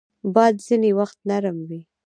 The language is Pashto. باد ځینې وخت نرم وي